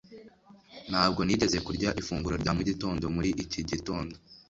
Ntabwo nigeze kurya ifunguro rya mu gitondo muri iki gitondo